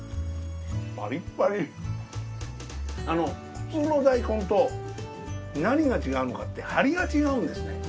普通の大根と何が違うのかって張りが違うんですね。